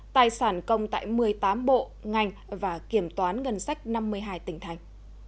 tài sản công tại một mươi tám bộ ngành và kiểm toán ngân sách năm mươi hai tỉnh thành